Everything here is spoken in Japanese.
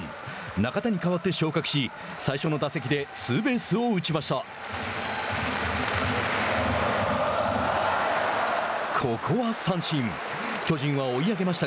中田に代わって昇格し最初の打席でツーベースを打ちました。